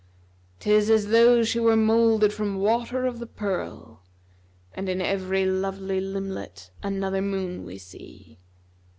'Tis as though she were moulded from water of the pearl, * And in every lovely limblet another moon we see!"